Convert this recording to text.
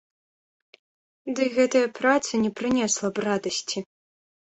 Дый гэтая праца не прынесла б радасці.